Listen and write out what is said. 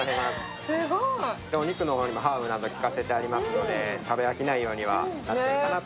お肉の方にもハーブなど効かせてありますので食べ飽きないようにはなってるのかなと。